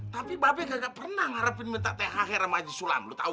tapi mbak be nggak pernah ngarepin minta thr sama haji sulam lo tau